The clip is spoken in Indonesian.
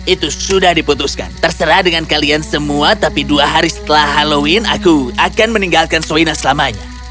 itu sudah diputuskan terserah dengan kalian semua tapi dua hari setelah halloween aku akan meninggalkan soina selamanya